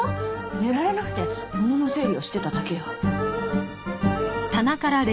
寝られなくて物の整理をしてただけよ。